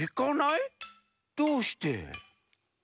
どうして？